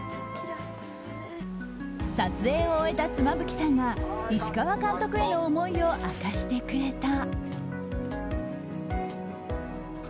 撮影を終えた妻夫木さんが石川監督への思いを明かしてくれた。